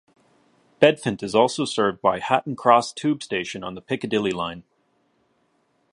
Bedfont is also served by Hatton Cross tube station on the Piccadilly line.